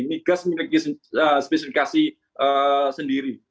migas memiliki spesifikasi sendiri